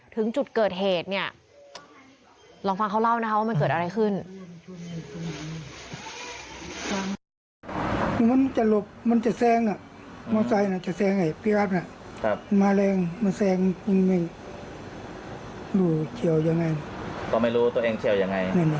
ถึงจุดเกิดเหตุเนี่ยลองฟังเขาเล่านะคะว่ามันเกิดอะไรขึ้น